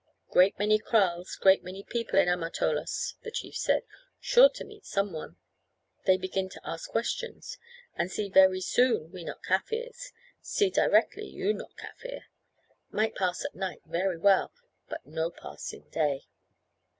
"Great many kraals, great many people in Amatolas," the chief said; "sure to meet some one. They begin to ask questions, and see very soon we not Kaffirs, see directly you not Kaffir; might pass at night very well, but no pass in day.